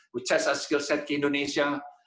kita mencoba kemampuan kita di indonesia